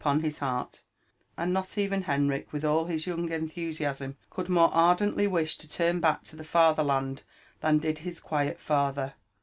upon his heart; and not even Henrich, with all his young enthusiasm, could more ardently wish to turn back to the Fatherland than did his quiet father.